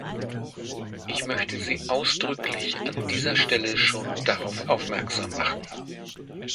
Ich möchte Sie ausdrücklich an dieser Stelle schon darauf aufmerksam machen!